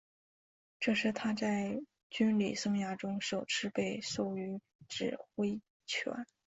这是他在军旅生涯中首次被授予指挥权。